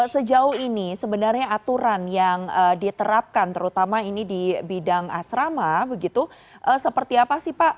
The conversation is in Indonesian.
sejauh ini sebenarnya aturan yang diterapkan terutama ini di bidang asrama begitu seperti apa sih pak